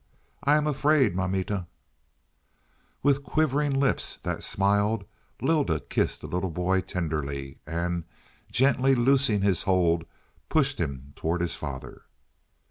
I am afraid, mamita." With quivering lips that smiled, Lylda kissed the little boy tenderly and gently loosening his hold pushed him towards his father.